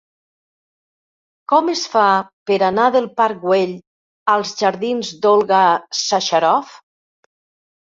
Com es fa per anar del parc Güell als jardins d'Olga Sacharoff?